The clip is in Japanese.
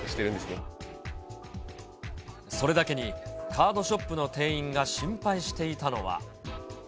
それだけに、カードショップの店員が心配していたのは。